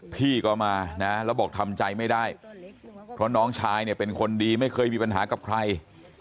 พี่ก็มานะแล้วบอกทำใจไม่ได้เพราะน้องชายเนี่ยเป็นคนดีไม่เคยมีปัญหากับใคร